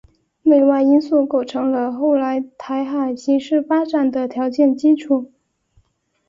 内外因素构成了后来台海形势发展的条件基础。